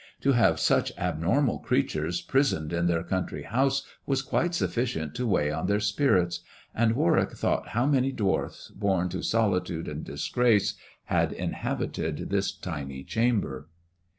To have such abnormal creatures prisoned in their country house was quite sufficient to weigh on their spirits, and Warwick thought how many dwarfs, born to solitude and disgrace, had inhabited this tiny chamber.